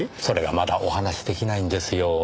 それがまだお話し出来ないんですよ。